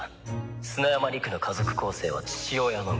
砂山理玖の家族構成は父親のみ」